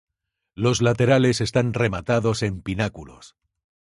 Los laterales están rematados en pináculos.